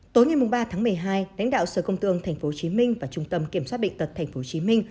tối ngày ba tháng một mươi hai lãnh đạo sở công thương tp hcm và trung tâm kiểm soát bệnh tật tp hcm